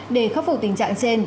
để khắc phục tình trạng trên